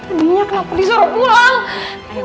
adinya kenapa disuruh pulang